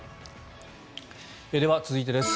では続いてです。